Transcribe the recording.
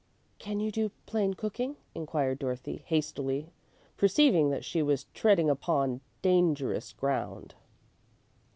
"Can you do plain cooking?" inquired Dorothy, hastily, perceiving that she was treading upon dangerous ground.